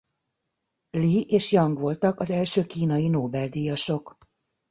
Lee és Yang voltak az első kínai Nobel-díjasok.